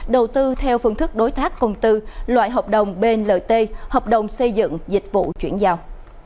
đầu tư theo phương thức đối tác công tư loại hợp đồng blt hợp đồng xây dựng dịch vụ chuyển giao